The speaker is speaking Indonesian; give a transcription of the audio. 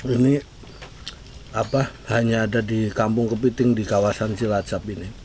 ini hanya ada di kampung kepiting di kawasan cilacap ini